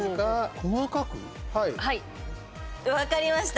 分かりました。